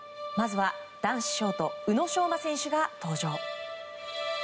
まずは男子ショート宇野昌磨選手が登場。